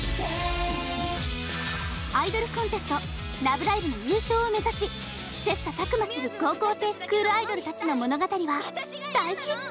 アイドルコンテスト「ラブライブ！」の優勝を目指し切磋琢磨する高校生スクールアイドルたちの物語は大ヒット！